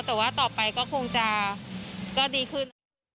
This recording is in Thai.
แต่ว่าต่อไปก็คงจะดีขึ้น